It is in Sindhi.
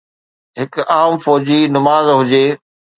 هڪ عام فوجي نماز هجي